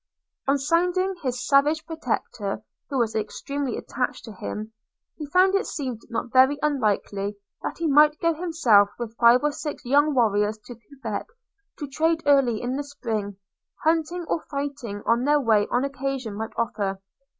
On sounding his savage protector, who was extremely attached to him, he found it seemed not very unlikely that he might go himself with five or six young warriors to Quebec to trade early in the spring, hunting or fighting on their way as occasion might offer.